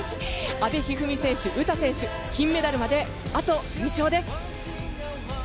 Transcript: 阿部一二三選手、詩選手金メダルまであと２勝です。